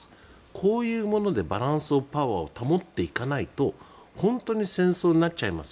こういうものでバランスパワーを保っていかないと本当に戦争になっちゃいます